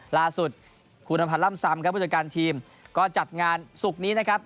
ล่าสุดคุณอำพันธ์ล่ำซำครับผู้จัดการทีมก็จัดงานศุกร์นี้นะครับ